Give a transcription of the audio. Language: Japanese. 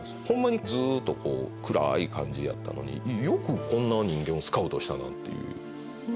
ホンマにずっとこう暗い感じやったのによくこんな人間をスカウトしたなっていう。